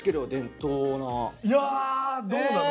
いやどうなの？